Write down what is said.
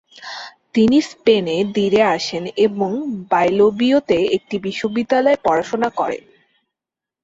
তিনি স্পেনে দিরে আসেন এবং বাইলবিওতে একটি বিশ্ববিদ্যালয়ে পড়াশোনা করে।